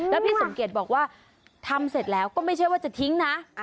แล้วพี่สมเกียจบอกว่าทำเสร็จแล้วก็ไม่ใช่ว่าจะทิ้งนะ